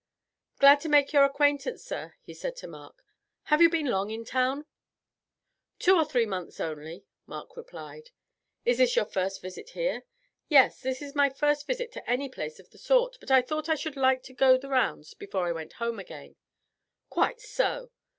"Glad to make your acquaintance, sir," he said to Mark. "Have you been long in town?" "Two or three months only," Mark replied. "Is this your first visit here?" "Yes, this is my first visit to any place of the sort, but I thought that I should like to go the rounds before I went home again." "Quite so.